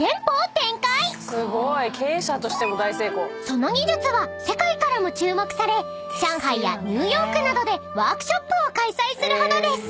［その技術は世界からも注目され上海やニューヨークなどでワークショップを開催するほどです］